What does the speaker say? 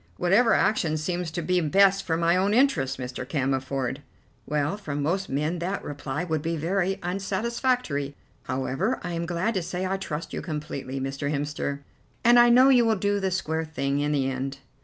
"Whatever action seems to be best for my own interests, Mr. Cammerford." "Well, from most men that reply would be very unsatisfactory. However, I am glad to say I trust you completely, Mr. Hemster, and I know you will do the square thing in the end."